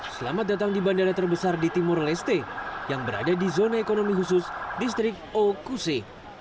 selamat datang di bandara terbesar di timur leste yang berada di zona ekonomi khusus distrik okuse